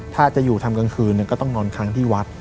ถ้าจะอยู่ทำกลางคืนก็ต้องนอนค้างที่วัด